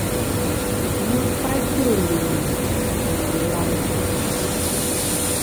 Ghɨ faytɨ lùmì nɨ̀ àlamà.